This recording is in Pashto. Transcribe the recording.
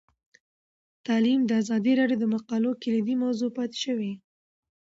تعلیم د ازادي راډیو د مقالو کلیدي موضوع پاتې شوی.